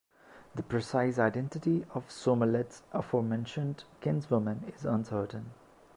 The precise identity of Somerled's aforementioned kinswoman is uncertain.